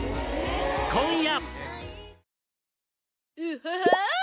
今夜！